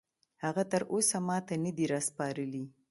هغه تراوسه ماته نه دي راسپارلي.